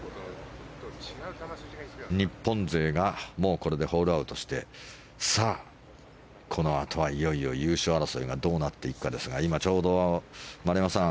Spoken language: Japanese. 日本勢がもうこれでホールアウトしてさあ、このあとはいよいよ優勝争いがどうなっていくかですが今ちょうど丸山さん